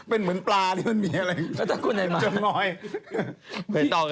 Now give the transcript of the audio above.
มันเหมือนปลาหนิมันเป็นเกินแต่อีก